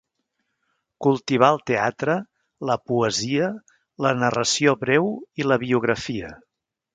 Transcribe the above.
Cultivà el teatre, la poesia, la narració breu i la biografia.